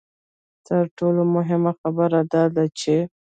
تر ټولو مهمه خبره دا ده چې.